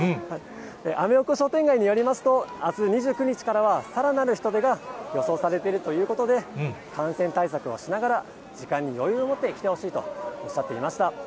アメ横商店街によりますと、あす２９日からはさらなる人出が予想されているということで、感染対策をしながら、時間に余裕を持って来てほしいとおっしゃっていました。